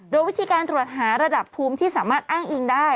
โดยวิธีการตรวจหาระดับภูมิที่สามารถอ้างอิงได้